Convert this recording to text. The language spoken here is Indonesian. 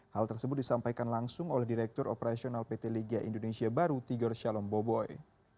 hal tersebut disampaikan langsung oleh direktur operasional pt liga indonesia baru tigor shalom boboi